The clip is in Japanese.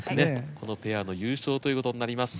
このペアの優勝ということになります。